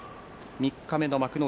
三日目の幕内